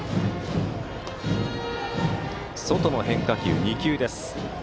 外の変化球２球。